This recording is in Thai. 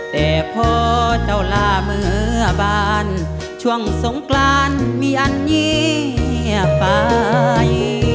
แต่พอเจ้าล่าเมื่อบ้านช่วงสงกรานมีอันเงียบไป